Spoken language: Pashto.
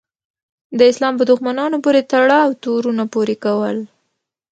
د اسلام په دښمنانو پورې تړاو تورونه پورې کول.